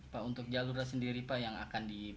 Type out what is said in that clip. pak untuk jalur sendiri pak yang akan di